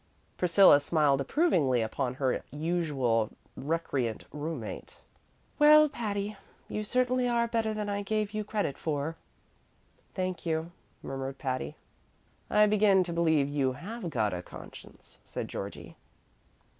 Priscilla smiled approvingly upon her usually recreant room mate. "Well, Patty, you certainly are better than I gave you credit for!" "Thank you," murmured Patty. "I begin to believe you have got a conscience," said Georgie.